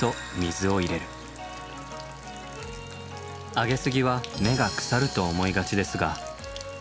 あげすぎは根が腐ると思いがちですが。